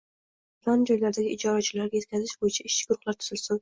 islohotlarni joylardagi ijrochilarga yetkazish bo‘yicha ishchi guruhlar tuzilsin.